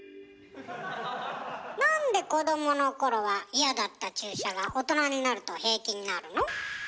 なんで子どものころは嫌だった注射が大人になると平気になるの？